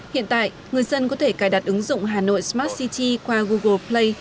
hiện tại người dân có thể cài đặt ứng dụng hà nội smart city qua google play